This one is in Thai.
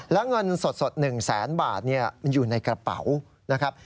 และเงินสดสดหนึ่งแสนบาทเนี่ยมันอยู่ในกระเป๋านะครับ